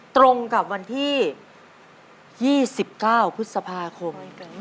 ตรงกับวันที่๒๙พฤษภาคม